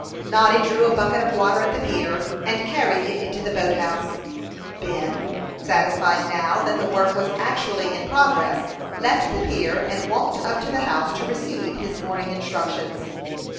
Noddy drew a bucket of water at the pier, and carried it into the boat house. Ben, satisfied now that the work was actually in progress, left the pier, and walked up to the house to receive his morning instructions.